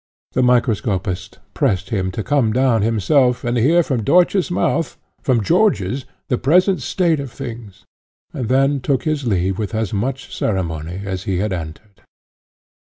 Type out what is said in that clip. The microscopist pressed him to come down himself, and hear from Dörtje's mouth, from George's, the present state of things, and then took his leave with as much ceremony as he had entered.